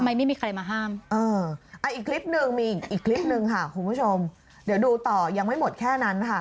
อีกคลิปนึงค่ะคุณผู้ชมเดี๋ยวดูต่อยังไม่หมดแค่นั้นค่ะ